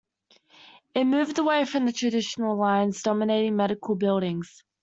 It moved away from the traditional lines dominating medical buildings.